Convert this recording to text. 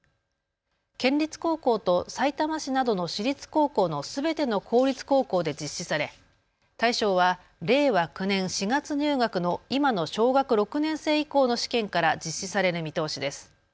県立高校とさいたま市などの市立高校のすべての公立高校で実施され対象は令和９年４月入学の今の小学６年生以降の試験から実施される見通しです。